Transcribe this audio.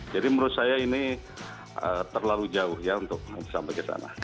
jadi menurut saya ini terlalu jauh ya untuk kita